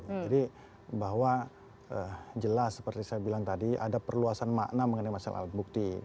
jadi bahwa jelas seperti saya bilang tadi ada perluasan makna mengenai masalah bukti